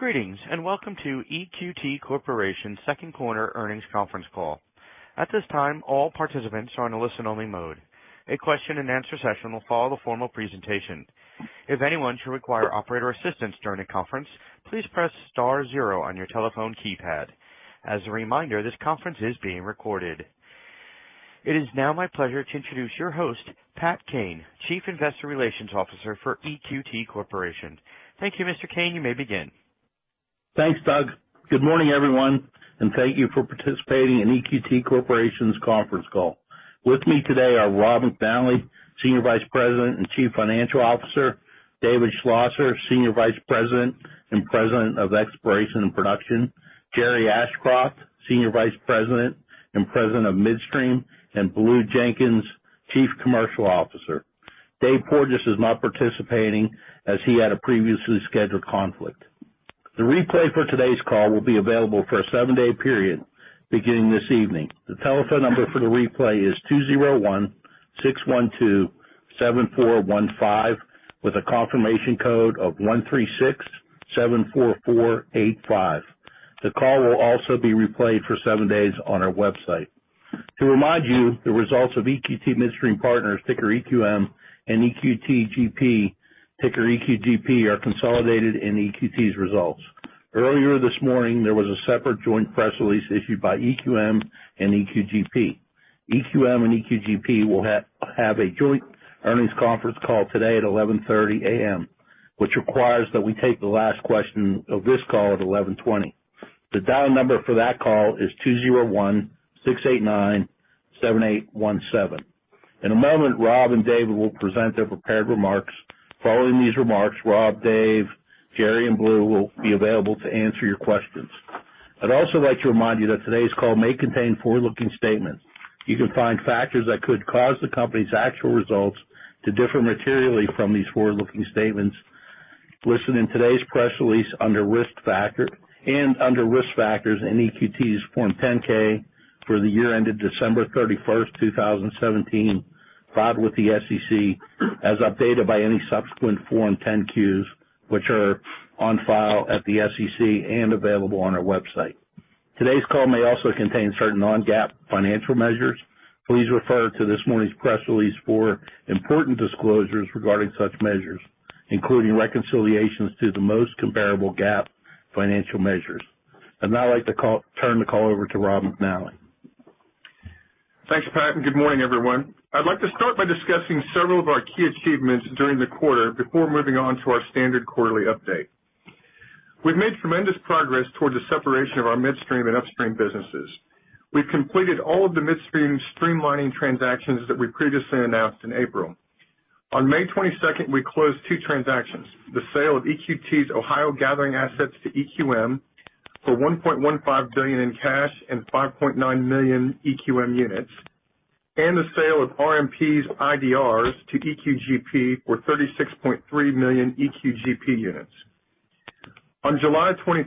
Greetings, welcome to EQT Corporation's second quarter earnings conference call. At this time, all participants are in a listen-only mode. A question and answer session will follow the formal presentation. If anyone should require operator assistance during the conference, please press star zero on your telephone keypad. As a reminder, this conference is being recorded. It is now my pleasure to introduce your host, Patrick Kane, Chief Investor Relations Officer for EQT Corporation. Thank you, Mr. Kane. You may begin. Thanks, Doug. Good morning, everyone, thank you for participating in EQT Corporation's conference call. With me today are Rob McNally, Senior Vice President and Chief Financial Officer, David Schlosser, Senior Vice President and President of Exploration and Production, Jerry Ashcroft, Senior Vice President and President of Midstream, and Blue Jenkins, Chief Commercial Officer. Dave Porges is not participating as he had a previously scheduled conflict. The replay for today's call will be available for a seven-day period beginning this evening. The telephone number for the replay is 201-612-7415, with a confirmation code of 13674485. The call will also be replayed for seven days on our website. To remind you, the results of EQT Midstream Partners, ticker EQM, and EQT GP, ticker EQGP, are consolidated in EQT's results. Earlier this morning, there was a separate joint press release issued by EQM and EQGP. EQM and EQGP will have a joint earnings conference call today at 11:30 A.M., which requires that we take the last question of this call at 11:20. The dial number for that call is 201-689-7817. In a moment, Rob and David will present their prepared remarks. Following these remarks, Rob, Dave, Jerry, and Blue will be available to answer your questions. I'd also like to remind you that today's call may contain forward-looking statements. You can find factors that could cause the company's actual results to differ materially from these forward-looking statements listed in today's press release under Risk Factor, under Risk Factors in EQT's Form 10-K for the year ended December 31st, 2017, filed with the SEC as updated by any subsequent Form 10-Qs, which are on file at the SEC and available on our website. Today's call may also contain certain non-GAAP financial measures. Please refer to this morning's press release for important disclosures regarding such measures, including reconciliations to the most comparable GAAP financial measures. I'd now like to turn the call over to Rob McNally. Thanks, Pat, good morning, everyone. I'd like to start by discussing several of our key achievements during the quarter before moving on to our standard quarterly update. We've made tremendous progress towards the separation of our midstream and upstream businesses. We've completed all of the midstream streamlining transactions that we previously announced in April. On May 22, we closed two transactions, the sale of EQT's Ohio Gathering assets to EQM for $1.15 billion in cash and 5.9 million EQM units, and the sale of RMP's IDRs to EQGP for 36.3 million EQGP units. On July 23,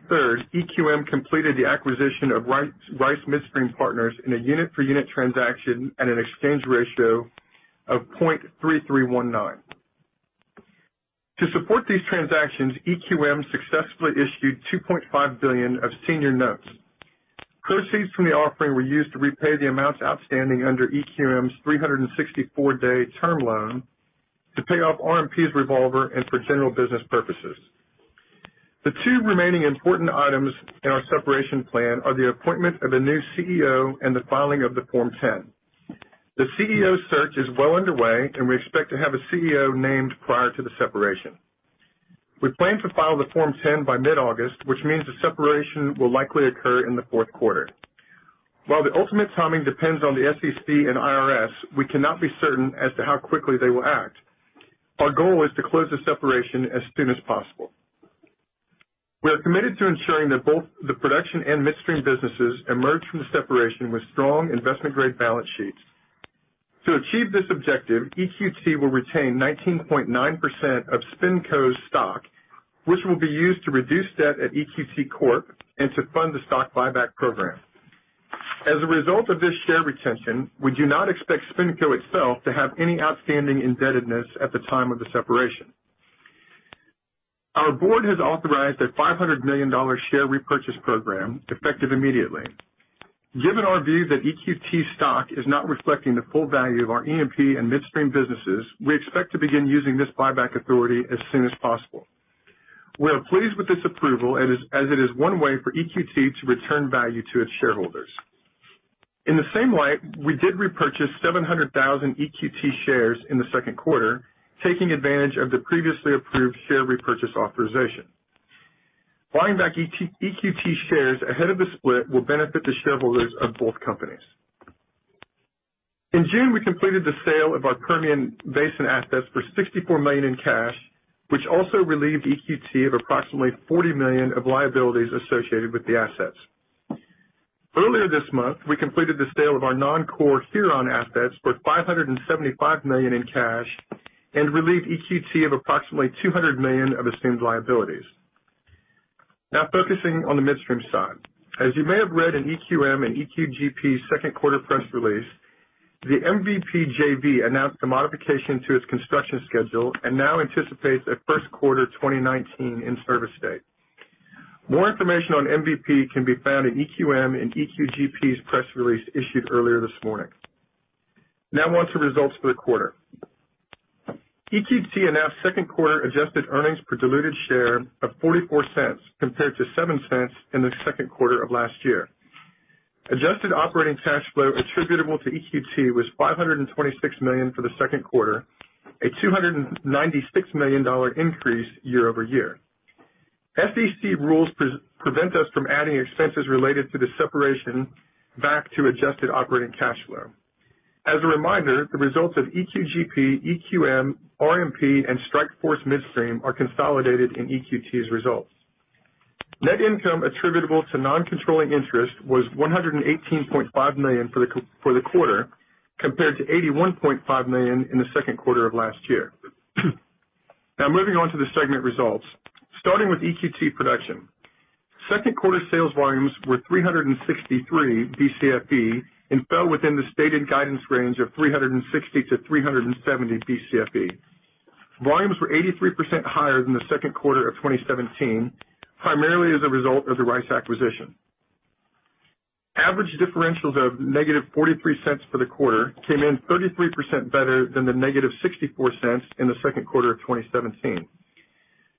EQM completed the acquisition of Rice Midstream Partners in a unit-for-unit transaction at an exchange ratio of 0.3319. To support these transactions, EQM successfully issued $2.5 billion of senior notes. Proceeds from the offering were used to repay the amounts outstanding under EQM's 364-day term loan to pay off RMP's revolver and for general business purposes. The two remaining important items in our separation plan are the appointment of a new CEO and the filing of the Form 10. The CEO search is well underway, we expect to have a CEO named prior to the separation. We plan to file the Form 10 by mid-August, which means the separation will likely occur in the fourth quarter. While the ultimate timing depends on the SEC and IRS, we cannot be certain as to how quickly they will act. Our goal is to close the separation as soon as possible. We are committed to ensuring that both the production and midstream businesses emerge from the separation with strong investment-grade balance sheets. To achieve this objective, EQT will retain 19.9% of SpinCo's stock, which will be used to reduce debt at EQT Corp, and to fund the stock buyback program. As a result of this share retention, we do not expect SpinCo itself to have any outstanding indebtedness at the time of the separation. Our board has authorized a $500 million share repurchase program effective immediately. Given our view that EQT stock is not reflecting the full value of our E&P and midstream businesses, we expect to begin using this buyback authority as soon as possible. We are pleased with this approval as it is one way for EQT to return value to its shareholders. In the same light, we did repurchase 700,000 EQT shares in the second quarter, taking advantage of the previously approved share repurchase authorization. Buying back EQT shares ahead of the split will benefit the shareholders of both companies. In June, we completed the sale of our Permian Basin assets for $64 million in cash, which also relieved EQT of approximately $40 million of liabilities associated with the assets. Earlier this month, we completed the sale of our non-core Huron assets for $575 million in cash and relieved EQT of approximately $200 million of assumed liabilities. Now focusing on the midstream side. As you may have read in EQM and EQGP's second quarter press release- The MVP JV announced a modification to its construction schedule and now anticipates a first quarter 2019 in-service date. More information on MVP can be found in EQM and EQGP's press release issued earlier this morning. Now on to results for the quarter. EQT announced second quarter adjusted earnings per diluted share of $0.44, compared to $0.07 in the second quarter of last year. Adjusted operating cash flow attributable to EQT was $526 million for the second quarter, a $296 million increase year-over-year. SEC rules prevent us from adding expenses related to the separation back to adjusted operating cash flow. As a reminder, the results of EQGP, EQM, RMP, and Strike Force Midstream are consolidated in EQT's results. Net income attributable to non-controlling interest was $118.5 million for the quarter, compared to $81.5 million in the second quarter of last year. Moving on to the segment results. Starting with EQT Production. Second quarter sales volumes were 363 BCFE and fell within the stated guidance range of 360-370 BCFE. Volumes were 83% higher than the second quarter of 2017, primarily as a result of the Rice acquisition. Average differentials of -$0.43 for the quarter came in 33% better than the -$0.64 in the second quarter of 2017.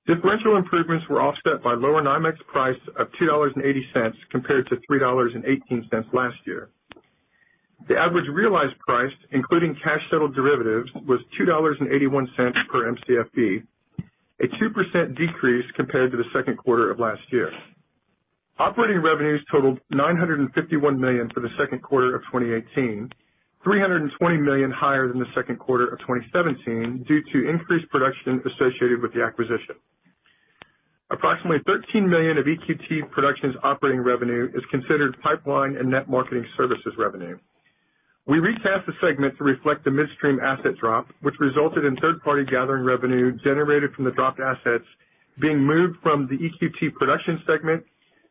Differential improvements were offset by lower NYMEX price of $2.80 compared to $3.18 last year. The average realized price, including cash settled derivatives, was $2.81 per Mcfe, a 2% decrease compared to the second quarter of last year. Operating revenues totaled $951 million for the second quarter of 2018, $320 million higher than the second quarter of 2017, due to increased production associated with the acquisition. Approximately $13 million of EQT Production's operating revenue is considered pipeline and net marketing services revenue. We recast the segment to reflect the midstream asset drop, which resulted in third-party gathering revenue generated from the dropped assets being moved from the EQT Production segment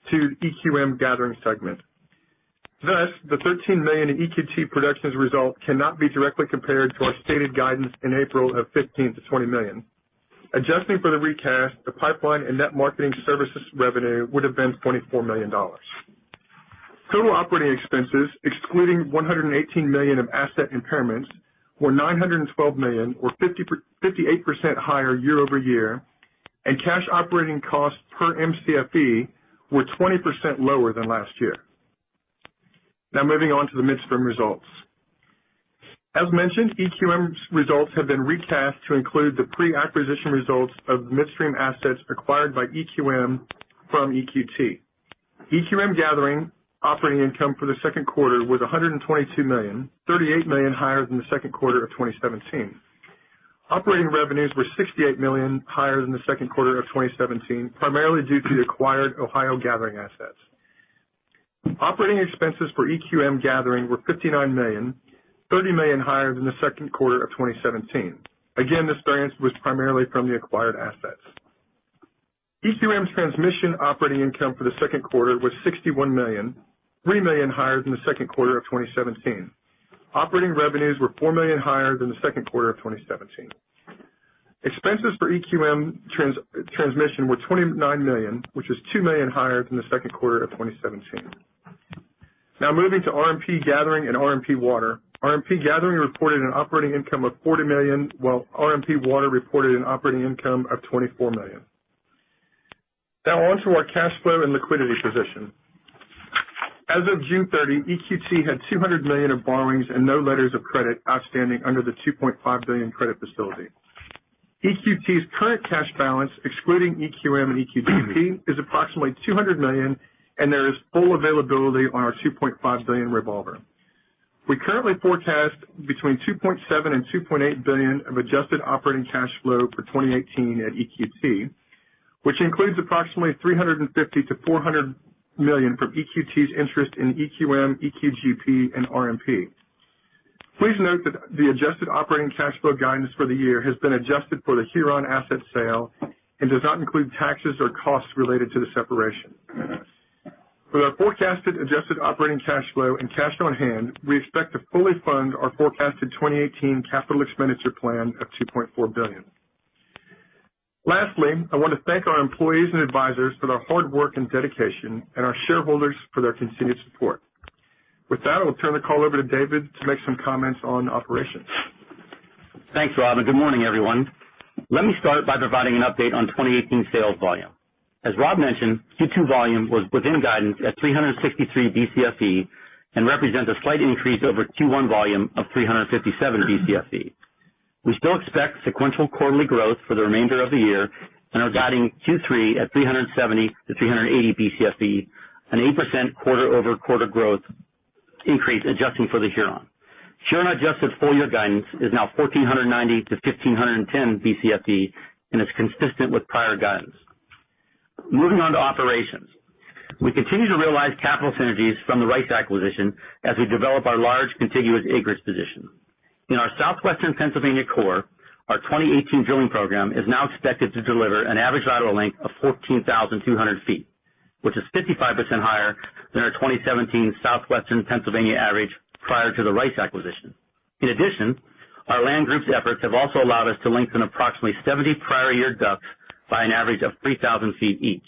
to the EQM Gathering segment. The $13 million in EQT Production's results cannot be directly compared to our stated guidance in April of $15 million-$20 million. Adjusting for the recast, the pipeline and net marketing services revenue would've been $24 million. Total operating expenses, excluding $118 million of asset impairments, were $912 million, or 58% higher year-over-year, and cash operating costs per Mcfe were 20% lower than last year. Moving on to the midstream results. As mentioned, EQM's results have been recast to include the pre-acquisition results of the midstream assets acquired by EQM from EQT. EQM Gathering operating income for the second quarter was $122 million, $38 million higher than the second quarter of 2017. Operating revenues were $68 million higher than the second quarter of 2017, primarily due to the acquired Ohio gathering assets. Operating expenses for EQM Gathering were $59 million, $30 million higher than the second quarter of 2017. This variance was primarily from the acquired assets. EQM Transmission operating income for the second quarter was $61 million, $3 million higher than the second quarter of 2017. Operating revenues were $4 million higher than the second quarter of 2017. Expenses for EQM Transmission were $29 million, which was $2 million higher than the second quarter of 2017. Moving to RMP Gathering and RMP Water. RMP Gathering reported an operating income of $40 million, while RMP Water reported an operating income of $24 million. On to our cash flow and liquidity position. As of June 30, EQT had $200 million of borrowings and no letters of credit outstanding under the $2.5 billion credit facility. EQT's current cash balance, excluding EQM and EQGP, is approximately $200 million, and there is full availability on our $2.5 billion revolver. We currently forecast between $2.7 billion and $2.8 billion of adjusted operating cash flow for 2018 at EQT, which includes approximately $350 million to $400 million from EQT's interest in EQM, EQGP, and RMP. Please note that the adjusted operating cash flow guidance for the year has been adjusted for the Huron asset sale and does not include taxes or costs related to the separation. For our forecasted adjusted operating cash flow and cash on hand, we expect to fully fund our forecasted 2018 capital expenditure plan of $2.4 billion. Lastly, I want to thank our employees and advisors for their hard work and dedication, and our shareholders for their continued support. With that, I will turn the call over to David to make some comments on operations. Thanks, Rob, and good morning, everyone. Let me start by providing an update on 2018 sales volume. As Rob mentioned, Q2 volume was within guidance at 363 BCFE and represents a slight increase over Q1 volume of 357 BCFE. We still expect sequential quarterly growth for the remainder of the year and are guiding Q3 at 370 BCFE to 380 BCFE, an 8% quarter-over-quarter growth increase adjusting for the Huron. Huron-adjusted full-year guidance is now 1,490 BCFE to 1,510 BCFE and is consistent with prior guidance. Moving on to operations. We continue to realize capital synergies from the Rice acquisition as we develop our large contiguous acreage position. In our Southwestern Pennsylvania core, our 2018 drilling program is now expected to deliver an average lateral length of 14,200 feet, which is 55% higher than our 2017 Southwestern Pennsylvania average prior to the Rice acquisition. In addition, our land group's efforts have also allowed us to lengthen approximately 70 prior year ducts by an average of 3,000 feet each.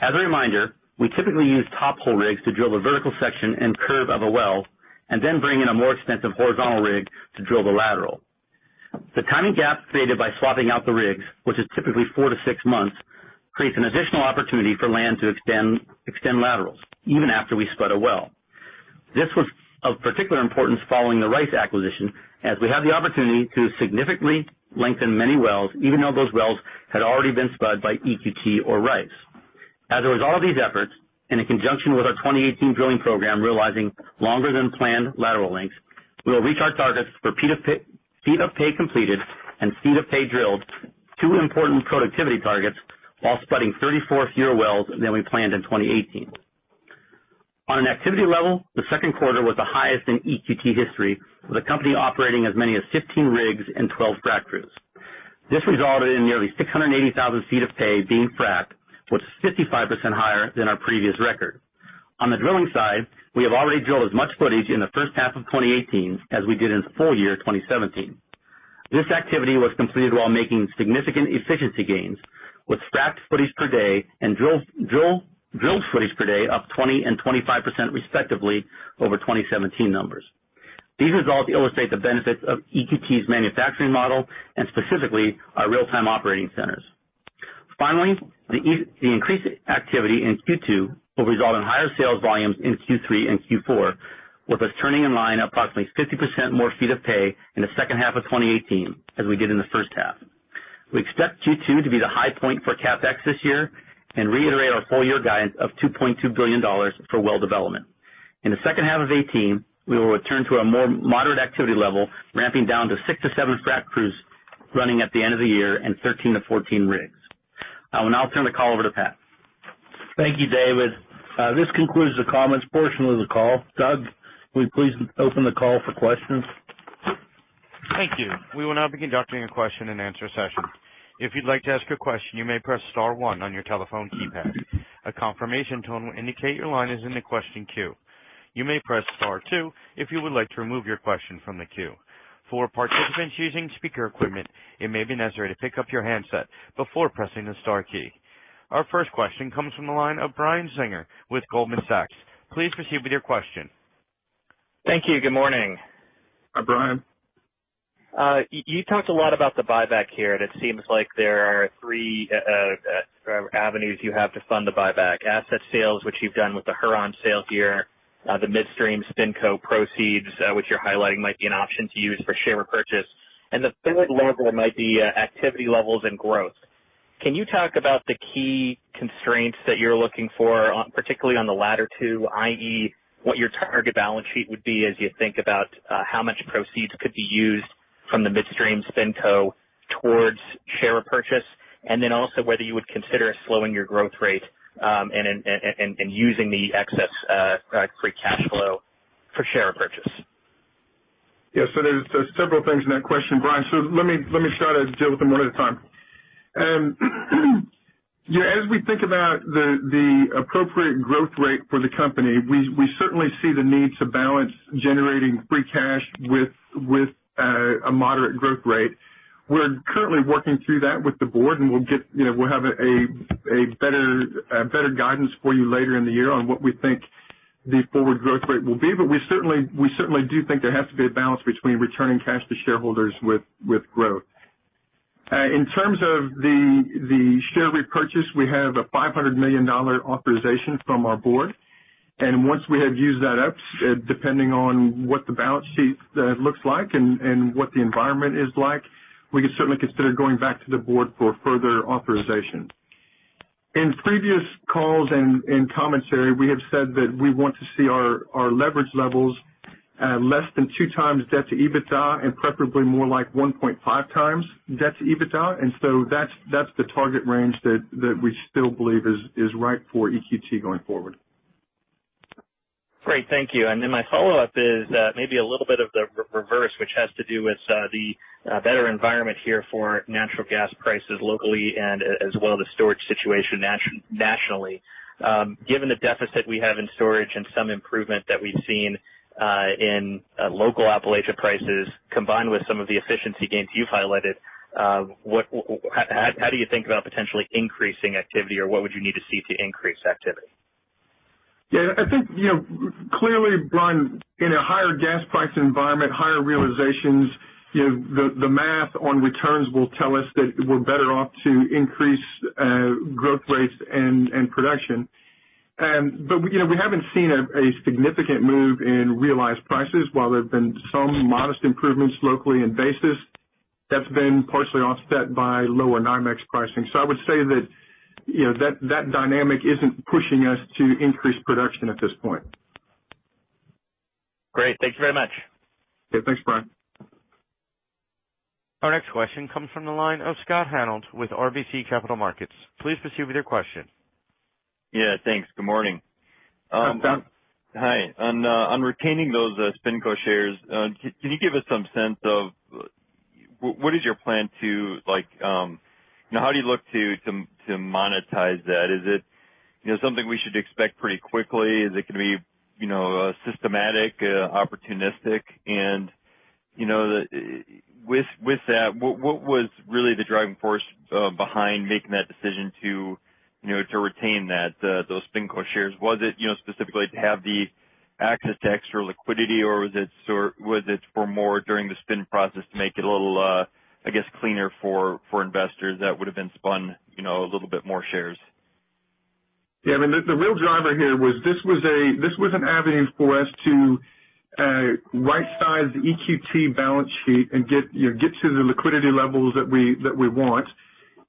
As a reminder, we typically use top hole rigs to drill the vertical section and curve of a well, and then bring in a more extensive horizontal rig to drill the lateral. The timing gap created by swapping out the rigs, which is typically four to six months, creates an additional opportunity for land to extend laterals even after we spud a well. This was of particular importance following the Rice acquisition, as we had the opportunity to significantly lengthen many wells, even though those wells had already been spudded by EQT or Rice. As a result of these efforts, and in conjunction with our 2018 drilling program realizing longer than planned lateral lengths, we will reach our targets for feet of pay completed and feet of pay drilled, two important productivity targets, while spudding 34 fewer wells than we planned in 2018. On an activity level, the second quarter was the highest in EQT history, with the company operating as many as 15 rigs and 12 frac crews. This resulted in nearly 680,000 feet of pay being fracked, which is 55% higher than our previous record. On the drilling side, we have already drilled as much footage in the first half of 2018 as we did in full year 2017. This activity was completed while making significant efficiency gains with fracked footage per day and drilled footage per day up 20% and 25% respectively over 2017 numbers. These results illustrate the benefits of EQT's manufacturing model and specifically our real-time operating centers. The increased activity in Q2 will result in higher sales volumes in Q3 and Q4, with us turning in line approximately 50% more feet of pay in the second half of 2018 than we did in the first half. We expect Q2 to be the high point for CapEx this year and reiterate our full year guidance of $2.2 billion for well development. In the second half of 2018, we will return to a more moderate activity level, ramping down to six to seven frac crews running at the end of the year and 13 to 14 rigs. I will now turn the call over to Pat. Thank you, David. This concludes the comments portion of the call. Doug, will you please open the call for questions? Thank you. We will now be conducting a question and answer session. If you'd like to ask a question, you may press star one on your telephone keypad. A confirmation tone will indicate your line is in the question queue. You may press star two if you would like to remove your question from the queue. For participants using speaker equipment, it may be necessary to pick up your handset before pressing the star key. Our first question comes from the line of Brian Singer with Goldman Sachs. Please proceed with your question. Thank you. Good morning. Hi, Brian. You talked a lot about the buyback here, and it seems like there are three avenues you have to fund the buyback: asset sales, which you've done with the Huron sale here, the midstream SpinCo proceeds, which you're highlighting might be an option to use for share repurchase, and the third lever might be activity levels and growth. Can you talk about the key constraints that you're looking for, particularly on the latter two, i.e., what your target balance sheet would be as you think about how much proceeds could be used from the midstream SpinCo towards share repurchase, and then also whether you would consider slowing your growth rate and using the excess free cash flow for share repurchase? Yeah. There's several things in that question, Brian. Let me start and deal with them one at a time. As we think about the appropriate growth rate for the company, we certainly see the need to balance generating free cash with a moderate growth rate. We're currently working through that with the board, and we'll have a better guidance for you later in the year on what we think the forward growth rate will be. We certainly do think there has to be a balance between returning cash to shareholders with growth. In terms of the share repurchase, we have a $500 million authorization from our board, and once we have used that up, depending on what the balance sheet looks like and what the environment is like, we could certainly consider going back to the board for further authorization. In previous calls and in commentary, we have said that we want to see our leverage levels less than two times debt to EBITDA, and preferably more like 1.5 times debt to EBITDA. That's the target range that we still believe is right for EQT going forward. Great. Thank you. My follow-up is maybe a little bit of the reverse, which has to do with the better environment here for natural gas prices locally and as well, the storage situation nationally. Given the deficit we have in storage and some improvement that we've seen in local Appalachia prices, combined with some of the efficiency gains you've highlighted, how do you think about potentially increasing activity, or what would you need to see to increase activity? Yeah. I think, clearly, Brian, in a higher gas price environment, higher realizations, the math on returns will tell us that we're better off to increase growth rates and production. We haven't seen a significant move in realized prices. While there have been some modest improvements locally in basis, that's been partially offset by lower NYMEX pricing. I would say that that dynamic isn't pushing us to increase production at this point. Great. Thank you very much. Yeah. Thanks, Brian. Our next question comes from the line of Scott Hanold with RBC Capital Markets. Please proceed with your question. Yeah, thanks. Good morning. Hi, Scott. Hi. On retaining those SpinCo shares, can you give us some sense of how do you look to monetize that? Is it something we should expect pretty quickly? Is it going to be systematic, opportunistic? With that, what was really the driving force behind making that decision to retain those SpinCo shares? Was it specifically to have the access to extra liquidity, or was it for more during the spin process to make it a little cleaner for investors that would have been spun a little bit more shares? Yeah, the real driver here was this was an avenue for us to right-size the EQT balance sheet and get to the liquidity levels that we want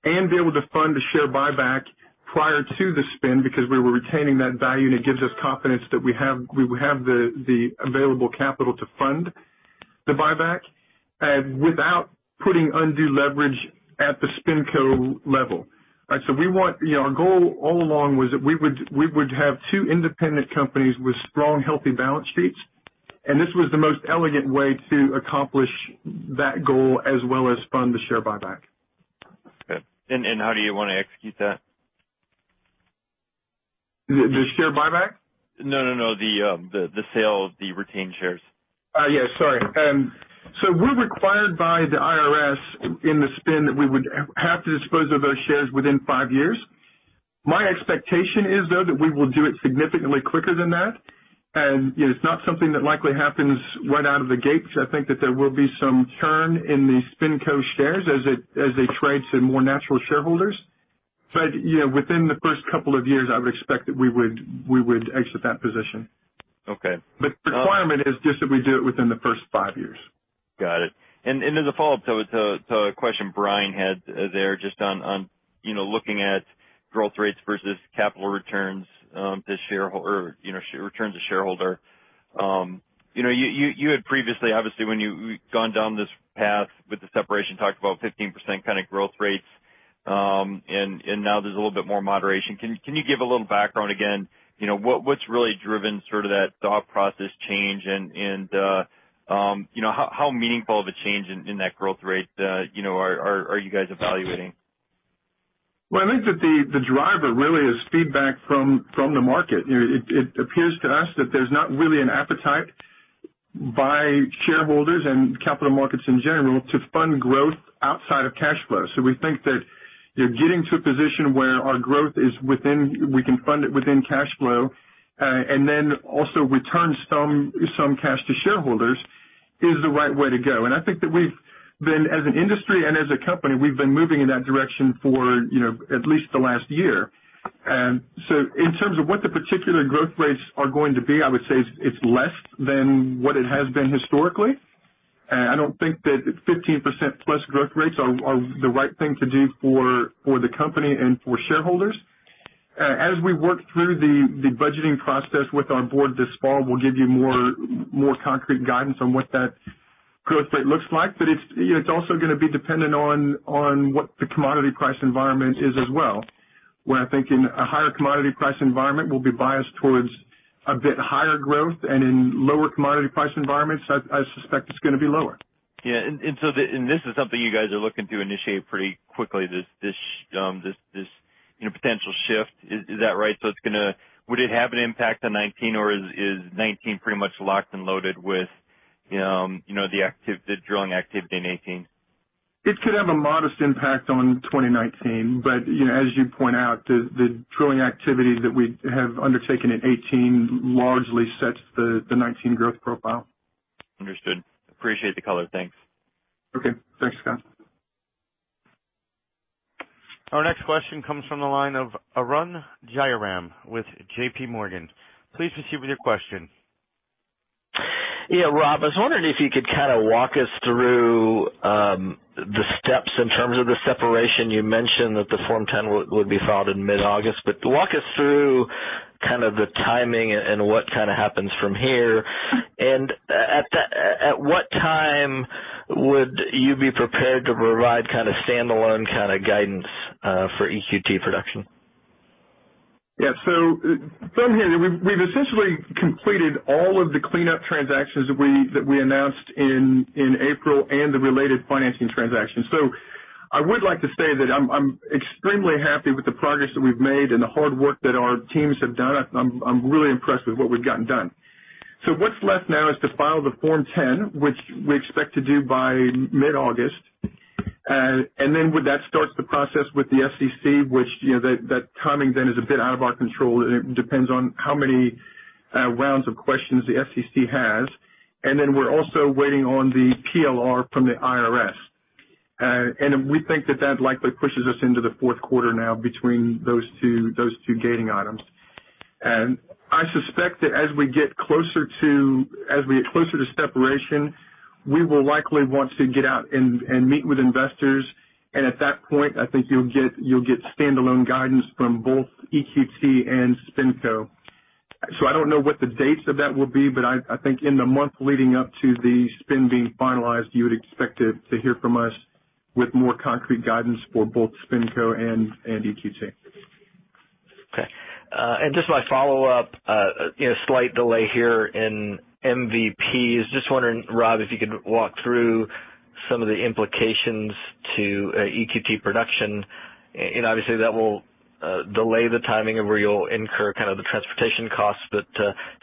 and be able to fund the share buyback prior to the spin because we were retaining that value, and it gives us confidence that we have the available capital to fund the buyback without putting undue leverage at the SpinCo level. Right? Our goal all along was that we would have two independent companies with strong, healthy balance sheets, and this was the most elegant way to accomplish that goal as well as fund the share buyback. Okay. How do you want to execute that? The share buyback? No, the sale of the retained shares. Yeah, sorry. We're required by the IRS in the spin that we would have to dispose of those shares within five years. My expectation is, though, that we will do it significantly quicker than that. It's not something that likely happens right out of the gate. I think that there will be some churn in the SpinCo shares as they trade to more natural shareholders. Within the first couple of years, I would expect that we would exit that position. Okay. The requirement is just that we do it within the first five years. Got it. As a follow-up to a question Brian Singer had there just on looking at growth rates versus capital returns to shareholder. You had previously, obviously, when you gone down this path with the separation, talked about 15% kind of growth rates. Now there's a little bit more moderation. Can you give a little background again? What's really driven sort of that thought process change, and how meaningful of a change in that growth rate are you guys evaluating? Well, I think that the driver really is feedback from the market. It appears to us that there's not really an appetite by shareholders and capital markets in general to fund growth outside of cash flow. We think that getting to a position where our growth is we can fund it within cash flow, and then also return some cash to shareholders is the right way to go. I think that we've been, as an industry and as a company, we've been moving in that direction for at least the last year. In terms of what the particular growth rates are going to be, I would say it's less than what it has been historically. I don't think that 15% plus growth rates are the right thing to do for the company and for shareholders. As we work through the budgeting process with our board this fall, we'll give you more concrete guidance on what that growth rate looks like. It's also going to be dependent on what the commodity price environment is as well, where I think in a higher commodity price environment, we'll be biased towards a bit higher growth, and in lower commodity price environments, I suspect it's going to be lower. Yeah. This is something you guys are looking to initiate pretty quickly, this potential shift. Is that right? Would it have an impact on 2019, or is 2019 pretty much locked and loaded with the drilling activity in 2018? It could have a modest impact on 2019. As you point out, the drilling activity that we have undertaken in 2018 largely sets the 2019 growth profile. Understood. Appreciate the color. Thanks. Okay. Thanks, Scott. Our next question comes from the line of Arun Jayaram with JP Morgan. Please proceed with your question. Yeah, Rob, I was wondering if you could kind of walk us through the steps in terms of the separation. You mentioned that the Form 10 would be filed in mid-August, but walk us through kind of the timing and what kind of happens from here. At what time would you be prepared to provide standalone kind of guidance for EQT Production? Yeah. From here, we've essentially completed all of the cleanup transactions that we announced in April and the related financing transactions. I would like to say that I'm extremely happy with the progress that we've made and the hard work that our teams have done. I'm really impressed with what we've gotten done. What's left now is to file the Form 10, which we expect to do by mid-August. That starts the process with the SEC, which that timing then is a bit out of our control, and it depends on how many rounds of questions the SEC has. We're also waiting on the PLR from the IRS. We think that that likely pushes us into the fourth quarter now between those two gating items. I suspect that as we get closer to separation, we will likely want to get out and meet with investors. At that point, I think you'll get standalone guidance from both EQT and SpinCo. I don't know what the dates of that will be, but I think in the month leading up to the spin being finalized, you would expect to hear from us with more concrete guidance for both SpinCo and EQT. Okay. Just my follow-up, slight delay here in MVP. Just wondering, Rob, if you could walk through some of the implications to EQT Production, obviously that will delay the timing of where you'll incur the transportation costs.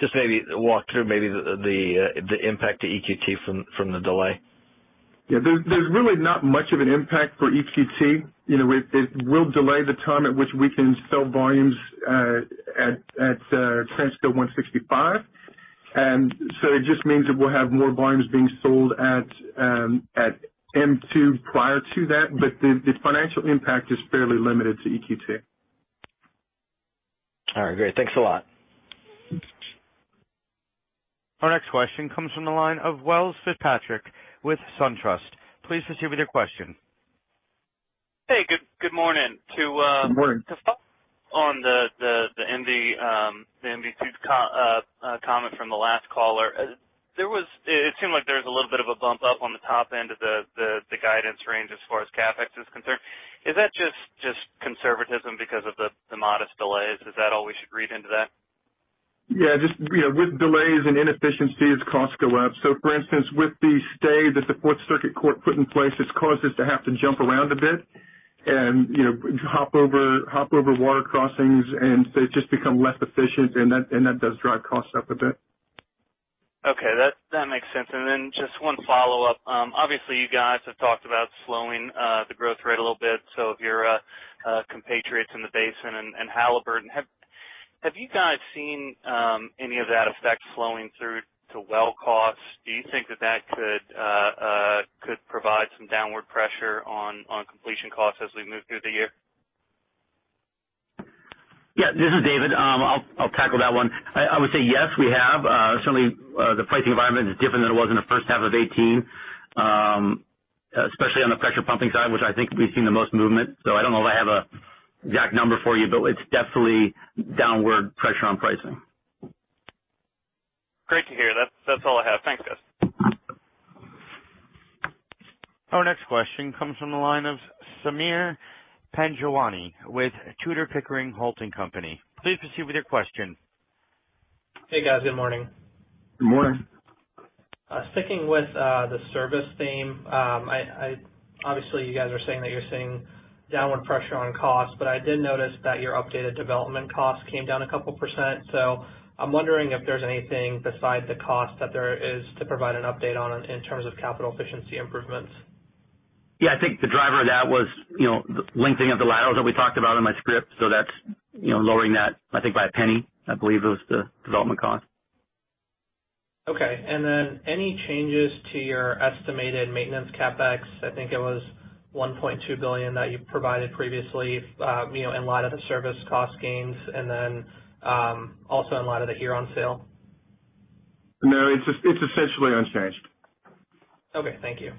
Just maybe walk through maybe the impact to EQT from the delay. Yeah. There's really not much of an impact for EQT. It will delay the time at which we can sell volumes at Transco 165. It just means that we'll have more volumes being sold at M2 prior to that. The financial impact is fairly limited to EQT. All right, great. Thanks a lot. Our next question comes from the line of Welles Fitzpatrick with SunTrust. Please proceed with your question. Hey, good morning. Good morning. To follow on the MVP comment from the last caller. It seemed like there was a little bit of a bump up on the top end of the guidance range as far as CapEx is concerned. Is that just conservatism because of the modest delays? Is that all we should read into that? Yeah, with delays and inefficiencies, costs go up. For instance, with the stay that the Fourth Circuit Court put in place, it's caused us to have to jump around a bit and hop over water crossings. It's just become less efficient, and that does drive costs up a bit. Okay. That makes sense. Just one follow-up. Obviously you guys have talked about slowing the growth rate a little bit. Have you guys seen any of that effect flowing through to well costs? Do you think that that could provide some downward pressure on completion costs as we move through the year? Yeah, this is David. I'll tackle that one. I would say yes, we have. Certainly, the pricing environment is different than it was in the first half of 2018. Especially on the pressure pumping side, which I think we've seen the most movement. I don't know if I have a exact number for you, but it's definitely downward pressure on pricing. Great to hear. That's all I have. Thanks, guys. Our next question comes from the line of Sameer Panjwani with Tudor, Pickering, Holt & Co. Please proceed with your question. Hey, guys. Good morning. Good morning. Sticking with the service theme. Obviously you guys are saying that you're seeing downward pressure on costs, I did notice that your updated development costs came down a couple %. I'm wondering if there's anything besides the cost that there is to provide an update on in terms of capital efficiency improvements. Yeah, I think the driver of that was the lengthening of the laterals that we talked about in my script. That's lowering that, I think, by $0.01, I believe it was, the development cost. Okay. Any changes to your estimated maintenance CapEx? I think it was $1.2 billion that you provided previously, in light of the service cost gains also in light of the Huron sale. No, it's essentially unchanged. Okay, thank you.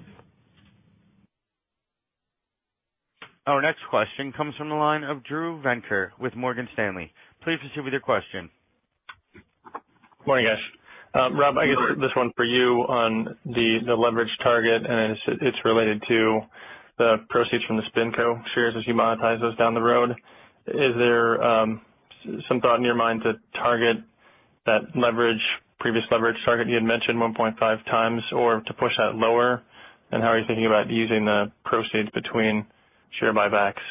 Our next question comes from the line of Devin McDermott with Morgan Stanley. Please proceed with your question. Morning, guys. Good morning. Rob, I guess this one's for you on the leverage target, and it's related to the proceeds from the SpinCo shares as you monetize those down the road. Is there some thought in your mind to target that previous leverage target you had mentioned 1.5 times, or to push that lower? How are you thinking about using the proceeds between share buybacks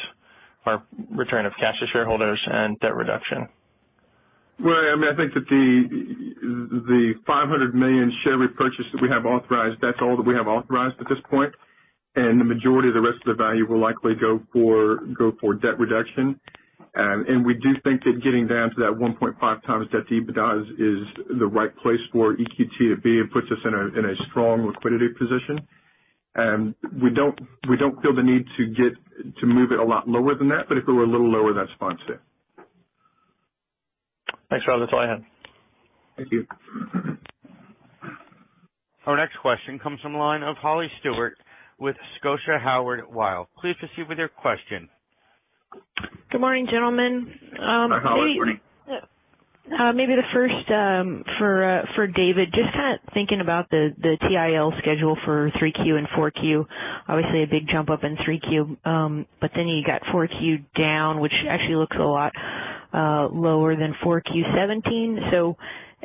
or return of cash to shareholders and debt reduction? Well, I think that the $500 million share repurchase that we have authorized, that's all that we have authorized at this point, the majority of the rest of the value will likely go for debt reduction. We do think that getting down to that 1.5 times debt to EBITDA is the right place for EQT to be. It puts us in a strong liquidity position. We don't feel the need to move it a lot lower than that, but if it were a little lower, that's fine, too. Thanks, Rob. That's all I have. Thank you. Our next question comes from the line of Holly Stewart with Scotia Howard Weil. Please proceed with your question. Good morning, gentlemen. Hi, Holly. Good morning. Maybe the first for David. Just kind of thinking about the TIL schedule for 3Q and 4Q. Obviously a big jump up in 3Q. Then you got 4Q down, which actually looks a lot lower than 4Q 2017.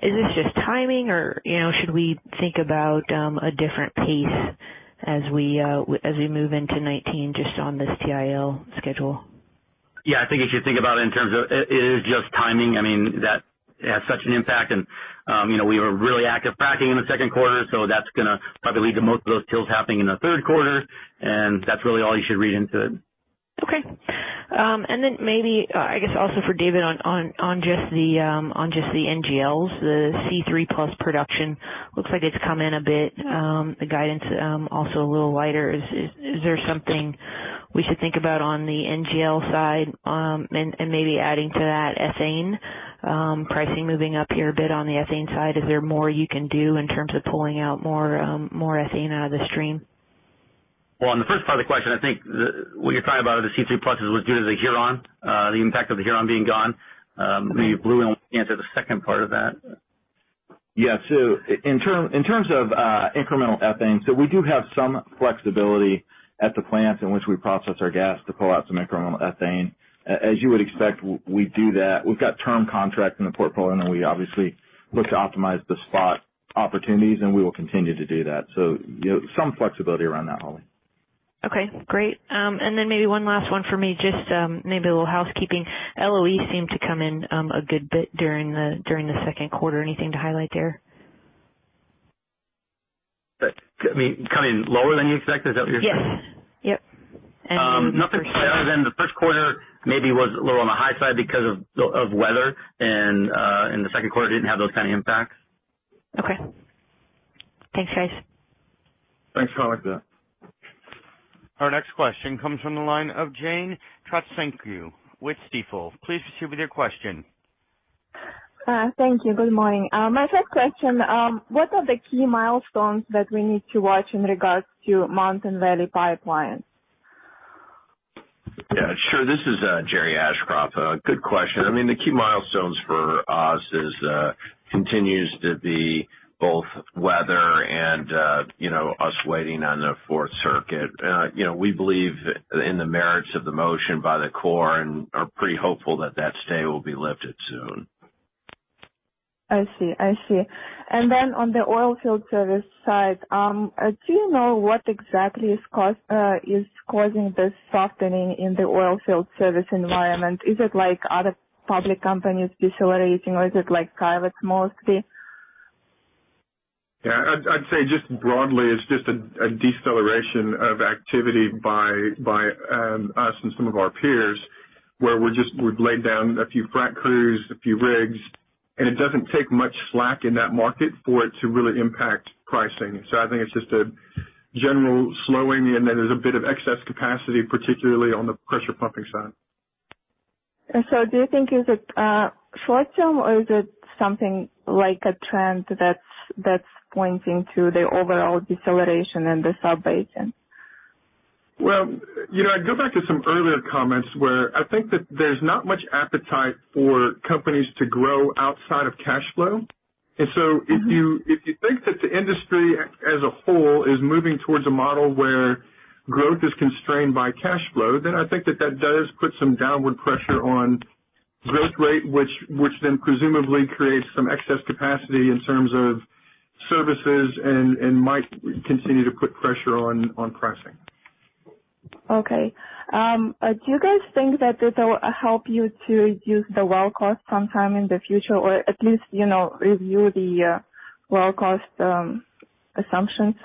Is this just timing or should we think about a different pace as we move into 2019 just on this TIL schedule? Yeah, I think you should think about it in terms of it is just timing. That has such an impact and we were really active fracking in the second quarter, so that's going to probably lead to most of those TILs happening in the third quarter, and that's really all you should read into it. Okay. Maybe, I guess also for David Schlosser on just the NGLs. The C3 plus production looks like it's come in a bit. The guidance also a little lighter. Is there something we should think about on the NGL side? Maybe adding to that ethane pricing moving up here a bit on the ethane side. Is there more you can do in terms of pulling out more ethane out of the stream? Well, on the first part of the question, I think what you're talking about are the C3 pluses was due to the Huron, the impact of the Huron being gone. Maybe Blue will answer the second part of that. Yeah. In terms of incremental ethane, we do have some flexibility at the plant in which we process our gas to pull out some incremental ethane. As you would expect, we do that. We've got term contracts in the portfolio, then we obviously look to optimize the spot opportunities, we will continue to do that. Some flexibility around that, Holly. Okay, great. Maybe one last one for me, just maybe a little housekeeping. LOE seemed to come in a good bit during the second quarter. Anything to highlight there? Coming in lower than you expected? Is that what you're saying? Yes. Yep. Nothing other than the first quarter maybe was a little on the high side because of weather. The second quarter didn't have those kind of impacts. Okay. Thanks, guys. Thanks, Holly. Our next question comes from the line of Jeanine Wai with Stifel. Please proceed with your question. Thank you. Good morning. My first question, what are the key milestones that we need to watch in regards to Mountain Valley Pipeline? Yeah, sure. This is Jerry Ashcroft. Good question. The key milestones for us continues to be both weather and us waiting on the Fourth Circuit. We believe in the merits of the motion by the Corps and are pretty hopeful that that stay will be lifted soon. I see. On the oil field service side, do you know what exactly is causing this softening in the oil field service environment? Is it like other public companies decelerating or is it private mostly? Yeah. I'd say just broadly, it's just a deceleration of activity by us and some of our peers where we've laid down a few frac crews, a few rigs. It doesn't take much slack in that market for it to really impact pricing. I think it's just a general slowing. There's a bit of excess capacity, particularly on the pressure pumping side. Do you think is it short-term or is it something like a trend that's pointing to the overall deceleration in the sub-basin? Well, I'd go back to some earlier comments where I think that there's not much appetite for companies to grow outside of cash flow. If you think that the industry as a whole is moving towards a model where growth is constrained by cash flow, I think that that does put some downward pressure on growth rate, which then presumably creates some excess capacity in terms of services and might continue to put pressure on pricing. Okay. Do you guys think that this will help you to reduce the well cost sometime in the future, or at least review the well cost assumptions?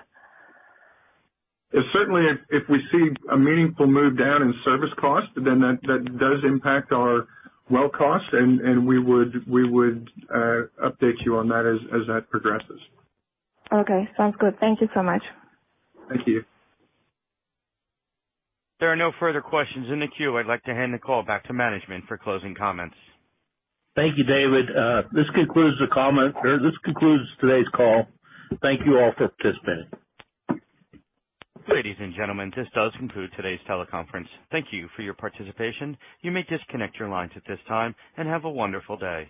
Certainly if we see a meaningful move down in service cost, then that does impact our well cost, and we would update you on that as that progresses. Okay, sounds good. Thank you so much. Thank you. There are no further questions in the queue. I'd like to hand the call back to management for closing comments. Thank you, David. This concludes today's call. Thank you all for participating. Ladies and gentlemen, this does conclude today's teleconference. Thank you for your participation. You may disconnect your lines at this time, and have a wonderful day.